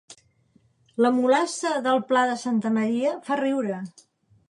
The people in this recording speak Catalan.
La mulassa del Pla de Santa Maria fa riure